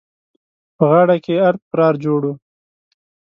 په غاړه کې يې ارت پرار جوړ وو.